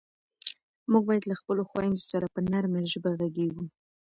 موږ باید له خپلو خویندو سره په نرمه ژبه غږېږو.